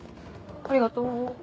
ありがとう。